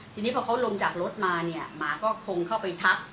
ทีนี้พอเขาลงจากรถมาเนี่ยหมาก็คงเข้าไปทับ